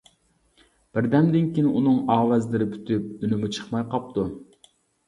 بىردەمدىن كېيىن ئۇنىڭ ئاۋازلىرى پۈتۈپ، ئۈنىمۇ چىقماي قاپتۇ.